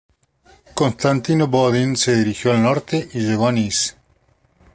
Constantino Bodin se dirigió al norte y llegó a Niš.